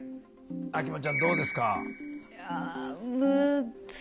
秋元ちゃんどうですか？